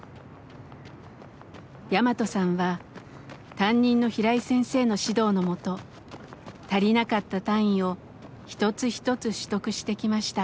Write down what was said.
ヤマトさんは担任の平井先生の指導のもと足りなかった単位を一つ一つ取得してきました。